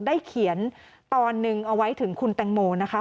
เขียนตอนหนึ่งเอาไว้ถึงคุณแตงโมนะคะ